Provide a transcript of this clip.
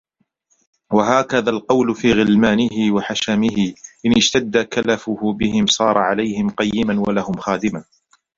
وَهَكَذَا الْقَوْلُ فِي غِلْمَانِهِ وَحَشَمِهِ إنْ اشْتَدَّ كَلَفُهُ بِهِمْ صَارَ عَلَيْهِمْ قَيِّمًا وَلَهُمْ خَادِمًا